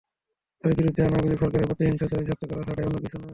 তাঁর বিরুদ্ধে আনা অভিযোগ সরকারের প্রতিহিংসা চরিতার্থ করা ছাড়া অন্য কিছুই নয়।